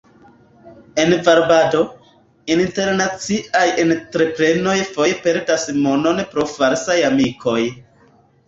En varbado, internaciaj entreprenoj foje perdas monon pro falsaj amikoj.